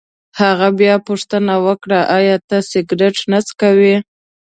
هغه بیا پوښتنه وکړه: ایا ته سګرېټ نه څکوې؟